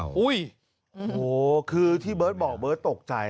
โอ้โหคือที่เบิร์ตบอกเบิร์ตตกใจ